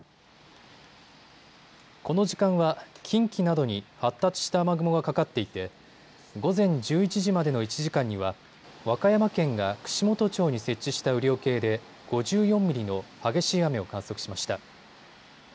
この時間は近畿などに発達した雨雲がかかっていて午前１１時までの１時間には和歌山県が串本町に設置した雨量計で５４ミリの激しい雨を観測しました。